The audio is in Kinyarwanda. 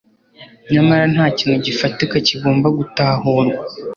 Nyamara nta kintu gifatika kigomba gutahurwa